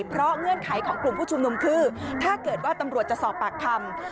เพราะเงื่อนไขของกลุ่มผู้ชุมนุมคือถ้าเกิดว่าตำรวจจะสอบปากคำ